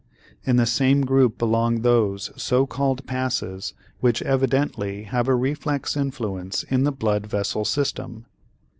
In the same group belong those so called passes which evidently have a reflex influence in the blood vessel system.